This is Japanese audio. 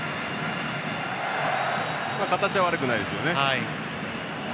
形は悪くないですよね。